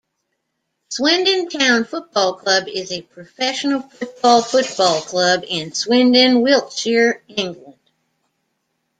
Swindon Town Football Club is a professional football football club in Swindon, Wiltshire, England.